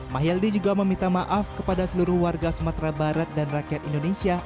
mahyaldi juga meminta maaf kepada seluruh warga sumatera barat dan rakyat indonesia